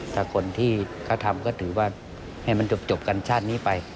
ถ้าคนที่เขาทำก็ถือว่าให้มันจบกันชาตินี้ไป